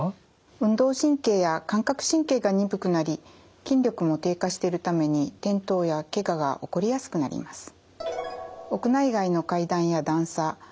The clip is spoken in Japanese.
運動神経や感覚神経が鈍くなり筋力も低下してるために転倒やけがが起こりやすくなります。